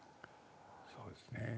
そうですね。